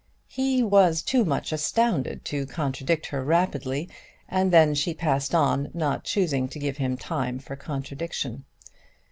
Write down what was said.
He was too much astounded to contradict her rapidly, and then she passed on, not choosing to give him time for contradiction.